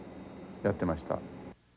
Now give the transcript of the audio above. やってました。